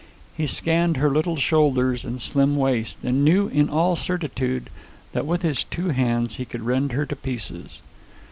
He scanned her little shoulders and slim waist, and knew in all certitude that with his two hands he could rend her to pieces.